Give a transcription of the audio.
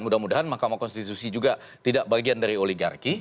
mudah mudahan mahkamah konstitusi juga tidak bagian dari oligarki